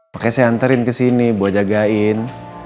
makanya saya anterin kesini gue jagain